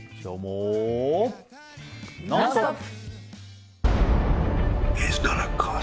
「ノンストップ！」。